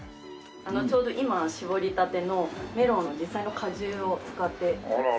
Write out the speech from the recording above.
ちょうど今搾りたてのメロンの実際の果汁を使って作ってまして。